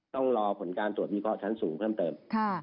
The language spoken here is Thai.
ต้องรอผลการตรวจวิเคราะห์ชั้นสูงเพิ่มเติม